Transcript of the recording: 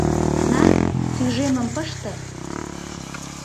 На, тӱжемым пыште.